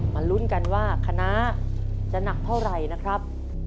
ลุ้นกันว่าคณะจะหนักเท่าไหร่นะครับ